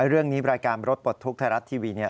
เรื่องนี้รายการรถปลดทุกข์ไทยรัฐทีวี